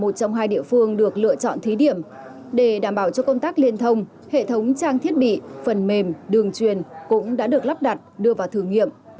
trong hai địa phương được lựa chọn thí điểm để đảm bảo cho công tác liên thông hệ thống trang thiết bị phần mềm đường truyền cũng đã được lắp đặt đưa vào thử nghiệm